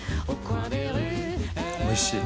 おいしい。